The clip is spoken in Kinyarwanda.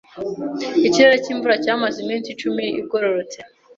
Ikirere cyimvura cyamaze iminsi icumi igororotse.